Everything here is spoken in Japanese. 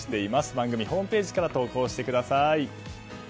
番組ホームページから投稿してください。